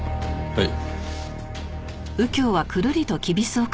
はい。